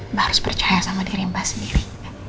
mba harus percaya sama diri mba sendiri